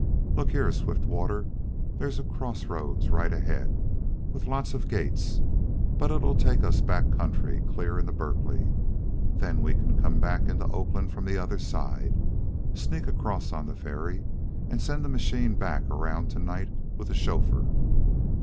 "Look here, Swiftwater, there's a crossroads right ahead, with lots of gates, but it'll take us backcountry clear into Berkeley. Then we can come back into Oakland from the other side, sneak across on the ferry, and send the machine back around to night with the chauffeur."